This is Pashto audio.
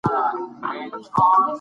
یخچال د ودې بهیر ورو کوي.